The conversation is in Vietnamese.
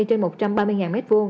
trên một trăm ba mươi m hai